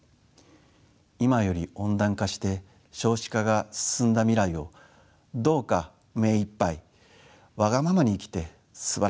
「今より温暖化して少子化が進んだ未来をどうか目いっぱいわがままに生きてすばらしい世界にしてください」。